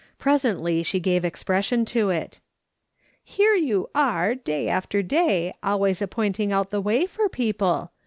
Presently she gave expression to it : "Here you are day after day always a pointing out the way for people